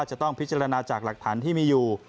จะต้องพิจารณาจากหลักฐานที่มีอยู่